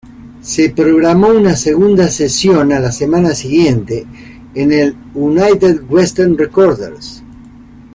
Se programó una segunda sesión a la semana siguiente en el United Western Recorders.